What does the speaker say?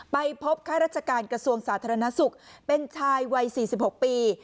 ไปพบข้าราชการกระทรวงสาธารณสุขเป็นชายวัย๔๖ปี